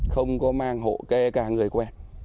không có mang hộ kê cả người quen